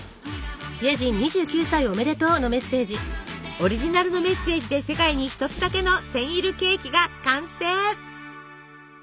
オリジナルのメッセージで世界に一つだけのセンイルケーキが完成！